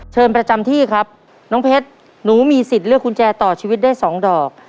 เชิญประจำที่ครับน้องเพชรหนูมีสิทธิ์เลือกกุญแจต่อชีวิตได้สองดอก